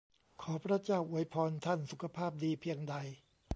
ขอพระเจ้าอวยพรท่านสุขภาพดีเพียงใด !